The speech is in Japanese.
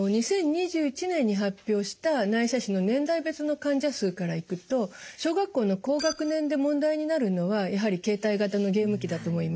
２０２１年に発表した内斜視の年代別の患者数からいくと小学校の高学年で問題になるのはやはり携帯型のゲーム機だと思います。